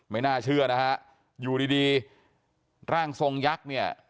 ไม่น่าเชื่อนะฮะอยู่ดีดีร่างทรงยักษ์เนี่ย